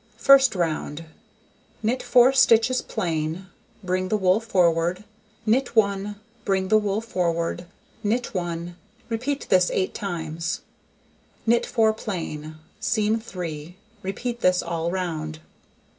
First round: Knit 4 stitches plain. Bring the wool forward, knit 1, bring the wool forward, knit 1. Repeat this 8 times. Knit 4 plain, seam 3. Repeat this all round.